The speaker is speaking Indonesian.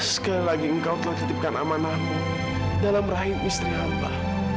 sekali lagi engkau telah titipkan amanahmu dalam rahim istri hamba